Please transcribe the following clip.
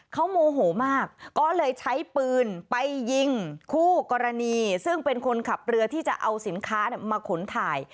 เขาโมโหมากก็เลยใช้ปืนไปยิงคู่กรณีซึ่งเป็นคนขับเรือที่จะเอาสินค้ามาขนถ่าย